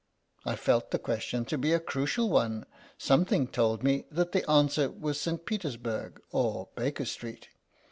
I felt the question to be a crucial one; something told me that the answer was St. Petersburg or Baker Street.